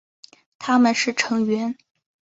他们是成员。